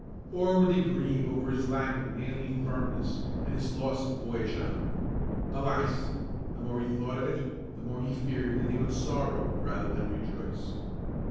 Or would they grieve over his lack of manly firmness and his loss of boyish honor? Alas! the more he thought of it, the more he feared that they would sorrow rather than rejoice.